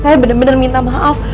saya bener bener minta maaf